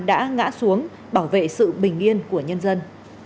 đã ngã xuống bảo vệ sự bình yên của nhân dân